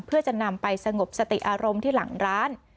เพื่อจะนำไปสงบสติอารมณ์ที่หลังร้าน